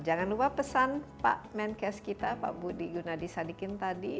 jangan lupa pesan pak menkes kita pak budi gunadisadikin tadi